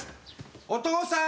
お父さん！